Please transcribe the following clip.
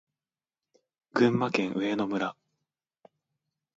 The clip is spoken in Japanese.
群馬県上野村